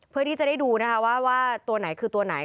เพื่อที่จะได้ดูนะคะว่าตัวไหนคือตัวไหน